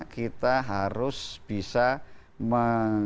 kita harus bisa menghadang